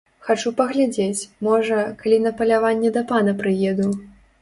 Хачу паглядзець, можа, калі на паляванне да пана прыеду.